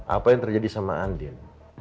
apa yang terjadi sama andin